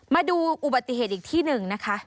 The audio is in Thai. มาดูอุบัติเหตุอีกที่หนึ่งนะคะ